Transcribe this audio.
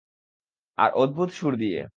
আর অদ্ভুত সূর দিয়ে।